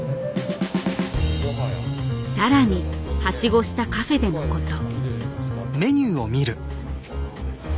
更にはしごしたカフェでのこと。